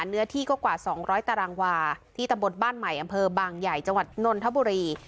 เนื้อที่กว่า๒๐๐ตารางวาที่ตำรวจบ้านใหม่อำเภอบางใหญ่จนธบุรี